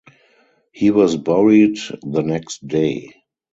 He was buried the next day.